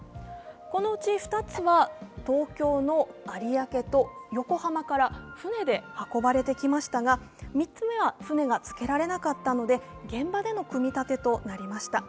このうち２つは東京の有明と横浜から船で運ばれてきましたが３つ目は船がつけられなかったので現場での組み立てとなりました。